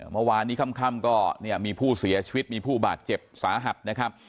เมื่อวานนี้ค่ำก็เนี่ยมีผู้เสียชีวิตมีผู้บาดเจ็บสาหัสนะครับ